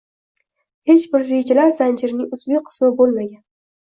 hech bir rejalar zanjirining uzviy qismi bo‘lmagan